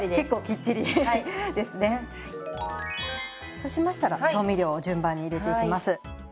そうしましたら調味料を順番に入れていきます。